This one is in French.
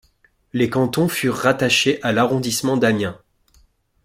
Les cantons furent rattachés à l'arrondissement d'Amiens.